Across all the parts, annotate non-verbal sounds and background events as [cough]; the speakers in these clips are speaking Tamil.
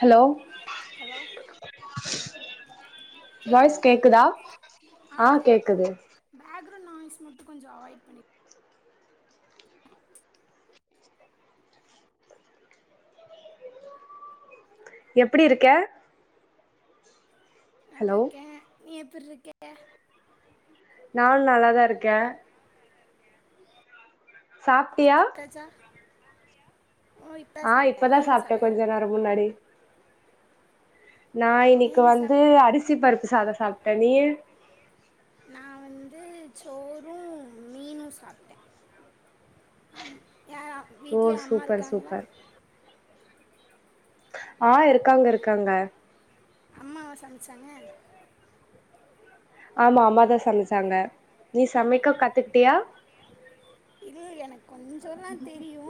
ஹலோ ஹலோ கேக்குதா ஆஹ் கேக்குது பேக்ரௌண்ட் நாய்ஸ் மட்டு கொஞ்சோ அவாய்ட் பண்ணி எப்டி இருக்க ஹலோ நல்லார்க்கே நீ எப்ட் இருக்க நானு நல்லாதா இருக்கே சாப்ட்டியா சாப்டாச்சா ஆ இப்பதா சாப்ட்டே சாப்ட்ட கொஞ்ச நேரோ முன்னாடி நா நீ இன்னைக்கு என்ன வந்து சாப் அரிசி பருப்பு சாதோ சாப்ட்டே நீங்க நா வந்து சோறு மீனு சாப்ட்டே ஆமா யாரு அ ஓ வீட்ல அம்மா சூப்பர் இருக்காங்களா சூப்பர் ஆ இருக்காங்க இருக்காங்க அம்மாவா சமச்சாங்க ஆமா அம்மாதா சமச்சாங்க நீ சமைக்க கத்துக்கிட்டியா இல்ல எனக்கு கொஞ்சோதா தெரியு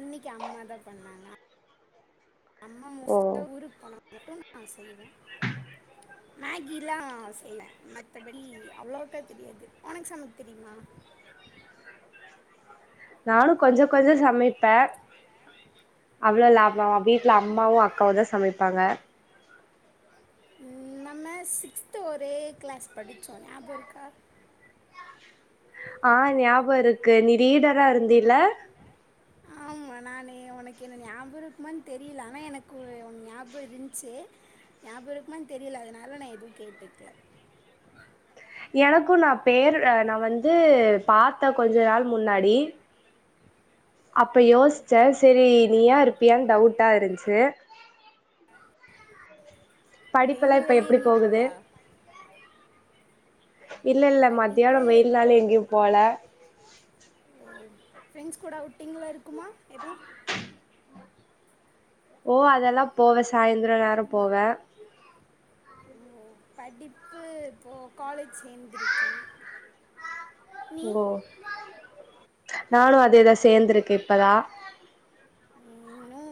இன்னைக்கி அம்மா தா பண்ணாங்க அம்மா ஓ மோஸ்ட்டா ஊருக்கு போனா மட்டு நா செய்வே மேகிலா செய்வ மத்தபடி அவ்ளோக்கா தெரியாது ஒனக்கு சமைக்க தெரியுமா நானு கொஞ்ச கொஞ்சோ சமைப்பே அவ்ளோலா [unintelligible] வீட்ல அம்மாவு அக்காவு தா சமப்பாங்க நம்ம சிக்ஸ்த்து ஒரே க்ளாஸ் படிச்சோ ஞாப இருக்கா ஆ ஞாப இருக்கு நீ ரீடரா இருந்திலா ஆம நானு உனக்கு என்ன ஞாப இருக்குமானு தெரியல ஆனா எனக்கு உன் ஞாப இருந்துச்சு ஞாப இருக்குமானு தெரியல அதனால நா எதுவு கேட்டுக்கல எனக்கு நா பேரு அ நா வந்து பாத்தே கொஞ்ச நாள் முன்னாடி அப்ப ஓ யோசிச்ச செரி நீயா இருப்பியான் டவுட்டா இருந்துச்சு ஓ படிப்பெல்லா எங்கியு இப்ப வெளிய எப்டி எங்கியு போகுது போலயா இல்ல இல்ல படிப்பு மத்தியான வெய்யினால எங்கயு போல ஓ ஃப்ரெண்ட்ஸ் கூட அவுட்டிங்ள இருக்குமா எது ஓ அதெல்லா போவே சாயந்தர நேர போவே ம் படிப்பு இப்போ காலேஜ் சேந்திருக்கே ஓ நானு அதேதா சேந்துருக்கு இப்பதா இன்னு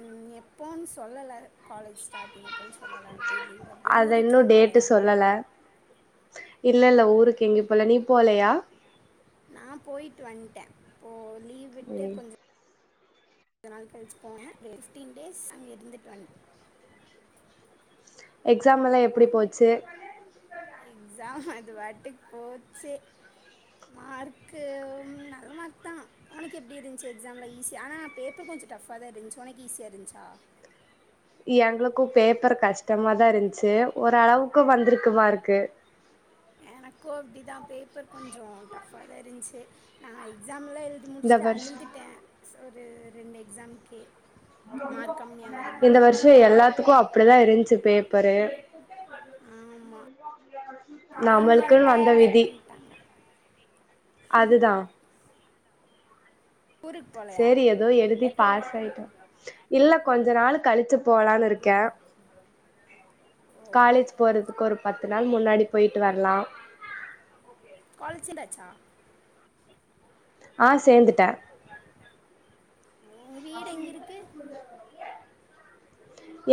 ம் எப்போன்னு சொல்லல காலேஜ் ஸ்டார்ட்டிங் எப்போன்னு சொல்லல தெரிலப் அத இன்னு டேட்டு சொல்லல இல்ல இல்ல ஊருக்கு எங்கயு போல நீ போலையா நா போய்டிட்டு வந்துட்டே இப்போ லீவ் விட்டு ம் கொஞ் சோ நாள் கழிச்சி போனே ஒரு ஃபிப்டீன் டேஸ் அங்கே இருந்துட்டு வந் எக்ஸாம் எல்லா எப்டி போச்சு எக்ஸாம் அது வாட்டிக் போச்சு மார்க்கு ஒ நல்ல மார்க் தா ஒனக்கு எப்டி இருந்துச்சு எக்ஸாம்லா ஈஸி ஆனா பேப்பர் கொஞ்சோ டஃபா தா இருந்துச்சு ஒனக்கு ஈஸியா இருந்துச்சா எங்களுக்கு பேப்பர் கஷ்டமா தா இருந்துச்சு ஓரளவுக்கு வந்திருக்கு மார்க்கு எனக்கு அப்டி தா பேப்பர் கொஞ்சோ டஃப்பா தா இருந்துச்சு நா எக்ஸாம்லா எழுதி இந்த முடிச்சுட்டு வருஷ அழுதுட்டே ஒரு ரெண்டு எக்ஸாமக்கே இந்த வருஷோ எல்லாத்துக்கு அப்டிதா இருந்தச்சு பேப்பரு வேணு நம்மளுக்குன்னு வேணுன்ட்டே வந்த [inaudible] விதி பண்ட்டாங்க அதுதா ஊருக்கு போகலையா சேரி ஏதோ எழுதி எப்போ போ- பாசாயிட்டோ இல்ல கொஞ்ச நாள் கழிச்சு போலான்னு இருக்கே ஓ காலேஜ் போறதுக்கு ஒரு பத்து நாள் முன்னாடி பொயிட்டு வரலா காலேஜ் சேந்தாச்சா ஆ சேந்துட்டே உன் வீடு எங்கே இருக்கு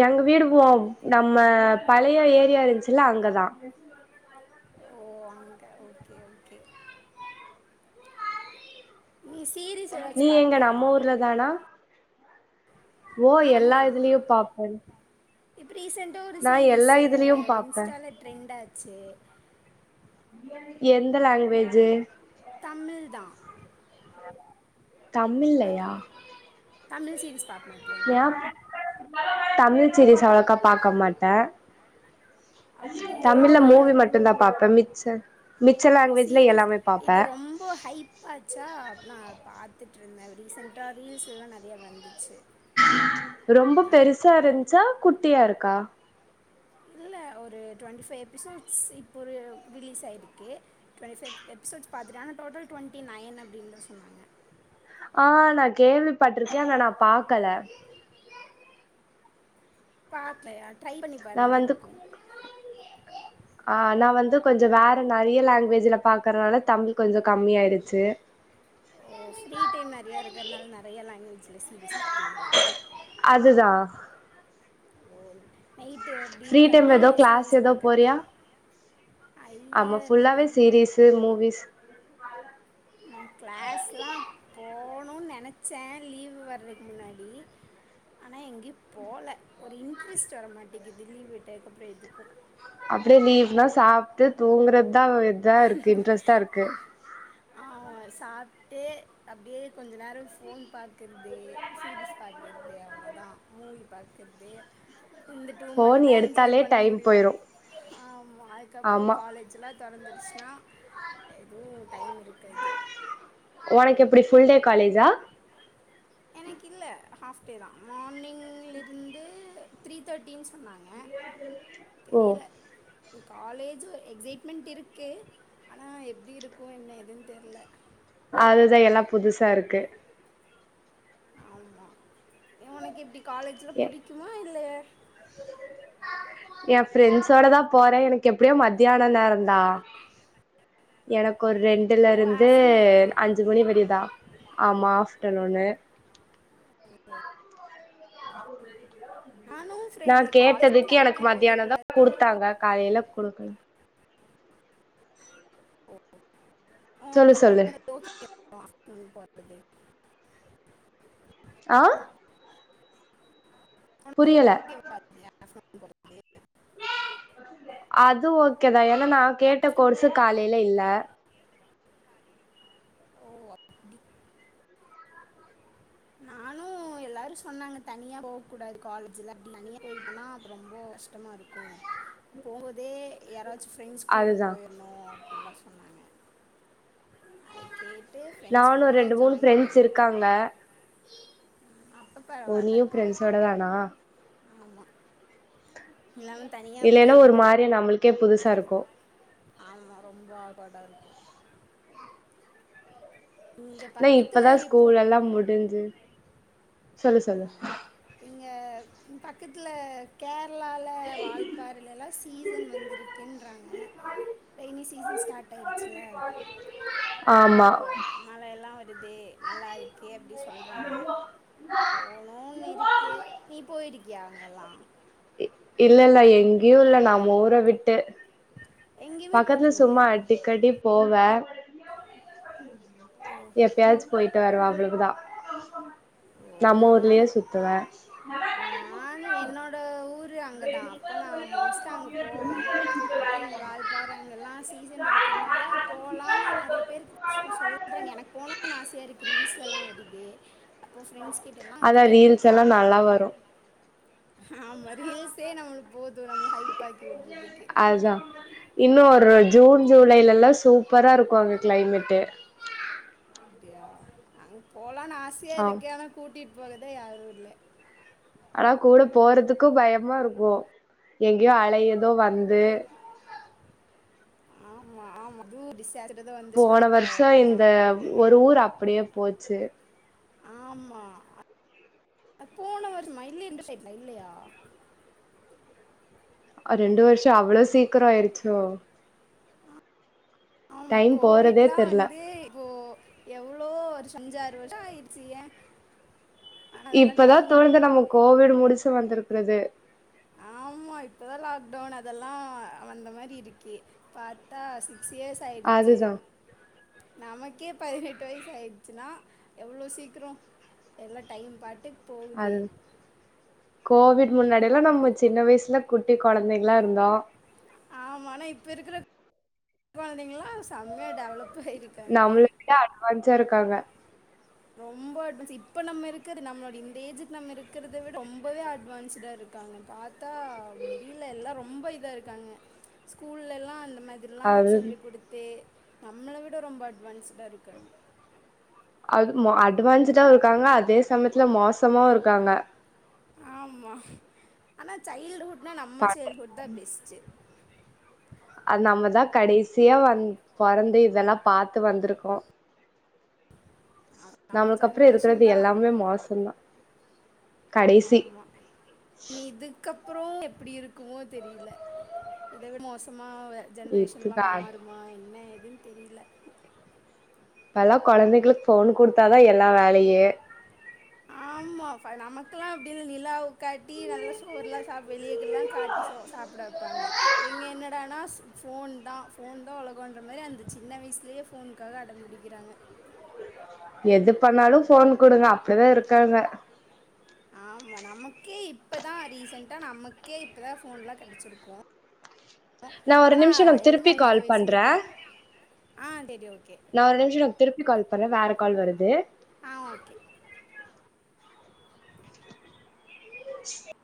எங்க வீடு போவு நம்ம பழைய ஏரியா இருந்துச்சுல்ல அங்கதா ஓ அங்க ஓகே ஓகே நீ சீரீஸ் ஏதாச்சும் பாப்பியா நானா ஓ எல்லா ஆமாம் இதுலயு பாப்பே இப்போ ரீசெண்ட்டா ஒரு சீரீஸ் இதுலயு பாப்பே இன்ஸ்டால ட்ரெண்ட் ஆச்சு எந்த லாங்குவேஜு தமிழ் தா தமிலயா தமிழ் சீரீஸ் பா ஏ தமிழ் சிரீஸ் அவ்ளோக்கா பாக்க மாட்ட அப்படியா தமிழ்ல மூவி ஆனால் மட்டுந்தா பாப்பே மிச்ச மிச்ச லாங்குவேஜ்ல சீரிஸ் எல்லாமே பாப்பே இது ரொம்ப ஹைப் பச்சா அப்பு நா பாத்துட்டருந்தே ரீசெண்ட்டா ரீல்ஸ்ல்லா நெறையா வந்துச்சு ரொம்ப நான் பெருசா இருச்சா குட்டியா இருக்கா இல்ல ஒரு டொண்ட்டி ஃபைவ் எபிசோட்ஸ் இப்போது ரிலீஸ் ஆயிருக்கு டுவெண்டிஃபை எபிசோஸ் பார்த்துட்டே ஆனா டோல் டுவெண்டி நைன் அப்டினுதா சொன்னாங்க ஆ நா கேள்விப்பட்ருக்கேனா ஆனா நா பாக்கல பாக்லயா ட்ரை நா பண்ணிப்பாரு வந்து நல்லாருக்கு ஆ ஆனா வந்து கொஞ்சோ வேற நெறைய லாங்குவேஜ்ல பாக்றதுனால தமிழ் கொஞ்சோ கம்மி ஆயிடுச்சு ஓ ஃப்ரீ டைம் நெறையா இருக்கிறனால நெறைய லேங்குவேஜில் சீரீஸ் பாப்பீங்களா அதுதான் ஓ நைட்டு அப்டி ஃப்ரீ ஒக்காந்து டைம்ல ஏதோ வேப் கிளாஸ் சீரிஸ் ஏதோ பாக்றதா போறியா அய்ய நா தே மூவீஸ் நா கிளாஸ்லா போணு நெனச்சே லீவ் வர்றதுக்கு முன்னாடி ஆனா எங்கேயு போல ஒரு இன்ட்ரெஸ்ட் வர மாட்டேங்கிது லீவ்விட்டதுக்கப்றோ எதுக்கு அப்டியே லீவ்னா சாப்ட்டு தூங்றதுதா இதா இருக்கு இன்ட்ரெஸ்டா இருக்கு அ சாப்ட அப்டியே கொஞ்ச நேரோ ஃபோன் பாக்கறது சீரிஸ் பார்க்றது அவ்ளோதா மூவி பாக்றது இந்த டூ ஃபோன் மந்த் தா என்ஜாய் எடுத்தாலே பண்ண டைம் முடியு போயிரு ஆமா அதுக்கப்றோ ஆமா காலேஜ் ச்சலா தொரந்துடுச்சுனா எதுவு டைம் இருக்காது உனக்கு எப்படி ஃபுல் டே காலேஜா எனக்கு இல்ல ஹாஃப் டே தா மார்னிங்லிருந்து த்ரீ தேர்ட்டினு சொன்னாங்க ஓ தெரியல காலேஜ் ஒரு எக்ஸைட்மெண்ட் இருக்கு ஆனா எப்டி இருக்கு என்னதுன்னு தெர்ல அது தா எல்லா புதுசா இருக்கு ஆமா இவனுக்கு இப்டி காலேஜ்ல எ புடிக்குமா இல்ல ஏ ஃப்ரெண்ட்ஸோட தா போற எனக்கு எப்டியு மத்தியான நேரம்ந்தா எனக்கு ஒரு ரெண்டுல ஓ இருந்து ஆஃப்டர்நூனா அஞ் அஞ்சு மணி வரையுந்தா ஆமா ஆஃப்டர்னோனு நானும் [inaudible] நா ஃப்ரெண்ட் காலேஜ் கேட்டதுக்கு எனக்கு தனியாக மத்தியானோ தா போயிடக்கூடாதுன்னு குடுத்தாங்க காலையில குடுக்கல சொல்லு சொல்லு [inaudible] அ புரியல [inaudible] பாத்தியா [inaudible] அது ஓகே தா ஏன்னா நா கேட்ட ஆஃப்டர் கோர்ஸூ காலேல இல்ல ஓ நானு எல்லாரு சொன்னாங்க தனியா போகூடாது காலேஜில அப்டி தனியா போயிட்டோம்னா அப்போ ரொம்ப கஷ்டமா இருக் ம் போபோதே யாராச்சு ஃப்ரெண்ட்ஸ் கூட அதுதா போயிடணு அப்டில்லா சொன்னாங்க அத கேட்டு ஃப்ரெண்ட்ஸ் கூட நானு தா ரெண்டு மூணு ஜாயின் ஃப்ரெண்ட்ஸ் பண்ணிருக்கே இருக்காங்க அப்ப ஓ பரவாயில்ல நீயு பிரரெண்ட்ஸ்ஸோட தானா ஆமா ஃபுல்லாவு தனி இல்லைன்னா ஒரு மாரியா நம்மளுக் ஆமா ரொம்ப [unintelligible] வாடா இருக்கும் இங்கே இல்ல பக்கத்தில் இப்பதா இப்போ ஸ்கூல் எல்லா முடிஞ்சு சொல்லு சொல்லு ஆமா இங்க பக்கத்ல கேரளால வால்பாறல்லல்லா சீசன் வந்திருக் குன்றாங்க ரெய்னி சீசன் ஸ்டார்ட் ஆயிடுச்சுல அப்போ ஆமா மழயெல்லா வருதே நல்லாருக்கே அப்டி சொல்றாங்க போணூன்னு இருக்கு நீ போய்ருக்கியா அங்கல்லா இல்லல்ல எங்கியு இல்ல நம்ம ஊற விட்டு எங்கேயுமே பக்கத்துல போறது சும்மா இல்லையா அடிக்கடி போவே ஓ எப்பயாச்சு போயிட் ட்டு வருவே அவ்வளவுதா ஓ நம்ம ஊர்லயே சுத்துவே நானு என்னோட ஊர் அங்க தா அப்ப நா மோஸ்ட்லி அங்க போவே அப்ப இங்க வால்ப்பார அங்க எல்லா சீசன் இருக்கறனால போலான்னு நறைய பேரு சும்மா சொல்றேங்க எனக்கு போனுனு ஆசையா இருக்கு ரீல்ஸ் எல்லா வருது அப்போ ஃப்ரெண்ட்ஸ்கிட்டலா அதா ரீல்ஸ் கேட்ருகே எல்லா நல்லா போலான்னு வரு ஆமா ரீல்ஸே நம்மளுக் போது நம்ம ஹைப் ஆக்கி விட்றதுகே அதுதா இன்னு ஒரு ஜூன் ஜூலைலல்லா சூப்பரா இருக்கு அங்க கிளைமேட்டு அப்டியா அங்க போலான்னு ஆசையா ஆ இருக்கு ஆனா கூட்டிட்டு போகதா யாரும் இல்ல ஆனா கூட போறதுக்கு பயமா இருக்கும் எங்கயோ அலையதோ வந்து ஆமா ஆமா தூ டிஸ்ஆஸ் போன வர்ஷோ இந்த ஒரு ஊர் அப்டியே போச்சு ஆமா அது போன வருஷமா இல்ல இந்த சைட்ல இல்லையா ஆ ரெண்டு வருஷோ அவ்ளோ சீக்கரோ ஆயிடுச்சோ ஆமா டைம் போறதே கோவிட்லா தெர்ல வந்து இப்போ எவ்ளோ வருஷ அஞ்சாறு வருஷோ ஆயிருச்சு ஏ இப்பதா தோணுது நம்ம கோவிட் முடிச்சு வந்திருக்கறது ஆமா இப்பதா லாக்டவுன் அதெல்லா வந்த மாரி இருக்கு பாத்தா சிக்ஸ் இயர்ஸ் ஆயிடுச்சு. அதுதா நமக்கே பதினெட்டு வயிசு ஆயிட்ச்சுனா எவ்ளோ சீக்கிரோ எல்லா டைம் பாட்டு அது கோவிட் முன்னாடியெல்லா நம்ம சின்ன வயசுல குட்டி கொழந்தைங்ளா இருந்தோ. ஆமா ஆனா இப்ப இருக்கற கொழந்தைங்கல்லா செம்மயா டெவலப் ஆயிருக் நம்மள விட அட்வான்ஸா இருக்காங்க. ரொம்ப அட்வான்ஸ் இப்ப நம்ம இருக்கிற நம்மளோட இந்த ஏஜுக் நம்ம இருக்கிறத விட ரொம்பவே அட்வான்ஸ்டா இரு காங்க பாத்தா முடில எல்லா ரொம்ப இதா இருக்காங்க ஸ்கூல்லலா இந்த மாதி எல்லா அது சொல்லி குடுத்து நம்மள விட ரொம்ப அட்வான்ஸ்டா இருக்காங்க. அது ம அட்வான்ஸ்டாவு இருக்காங்க அதே சமயத்துல மோசமாவு இருக்காங்க. ஆமா ஆனா சைல்டுஹுட்னா நம்ம சைல்ஹுட்தா பெஸ்ட்டு. அது நம்மதா கடைசியா வந் பொறந்து இதெல்லா பாத்து வந்துருக்கோ. நம்ம நம்முளுக்கு அப்புறோ ஜெனரேஷன் இருக்கறது தான் எல்லாமே மோசந்தா. கடைசி கப்றோ எப்பிடி இருக்குமோ தெரியில. இதவி மோசமாவ ஜென்ரேஷன்லா இதுதா மாறுமா என்ன ஏதுன் தெரில. இப்பெல்லா கொழந்தைகளுக் ஃபோன் குடுத்தாதா எல்லா வேலையே. ஆமா ஃப நமக்குலா அப்டி இல் நிலாவ் காட்டி நல்லா சோறுலா சாப் வெளியகில்லா காட் டி சோ சாப்பட வெப்பாங்க. இவிங்க என்னடானா ஸ் ஃபோன்தா ஃபோன்தா உலகோன்ற மாரி அந்த சின்ன வயசுலியே ஃபோன் க்காக அடம் புடிக்கிறாங்க. எது பண்ணாலு ஃபோன் குடுங்க அப்டிதா இருக்காங்க. ஆமா நமக்கே இப்பதா ரீசெண்ட்டா நமக்கே இப்பதா ஃபோன்லா கெடச்சிருக்கு. நா ஒரு நிம்ஷங்க எல்லாமே திருப்பி அவங்களுக்கு கால் இந்த வயசுலேயே பண்றே. தெரியும் ஆ டெடி ஓகே. நா ஒரு நிம்ஷோ உனக் திருப்பி கால் பண்றே வேற கால் வருது. ஆ ஓகே. ஆஹ